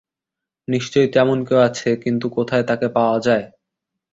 নিশ্চয়ই তেমন কেউ আছে, কিন্তু কোথায় তাকে পাওয়া যায়?